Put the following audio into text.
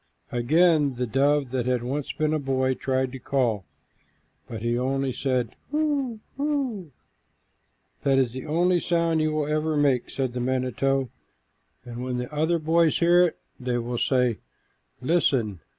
Again the dove that had once been a boy tried to call, but he only said, "Hoo, hoo!" "That is the only sound you will ever make," said the manito, "and when the other boys hear it, they will say, 'Listen!